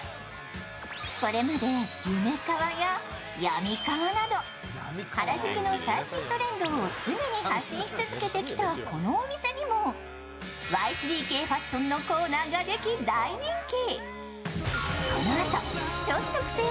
これまでゆめかわや病みかわなど原宿の最新トレンドを常に発信し続けてきたこのお店にもＹ３Ｋファッションのコーナーができ大人気。